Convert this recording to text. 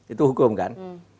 itu hukum kan